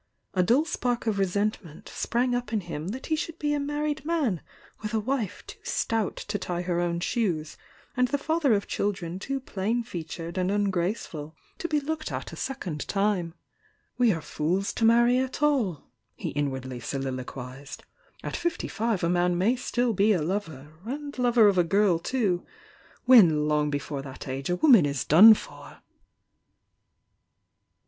A dull spark of resent ment sprang up in him that he should be a married man with a wife too stout to tie her own shoes, and the father of children too plain featured and ungraceful to be looked at a second time. "We are fools to marry at all!" he inwardly solilo quized. "At fifty five a man may still be a lover— and lover of a girl, too — when long before that age a woman is done for!"